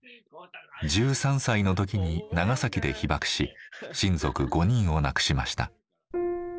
１３歳の時に長崎で被爆し親族５人を亡くしました。